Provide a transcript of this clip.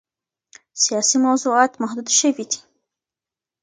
سیاسي موضوعات محدود شوي دي.